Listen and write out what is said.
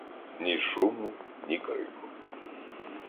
ні шуму, ні крику.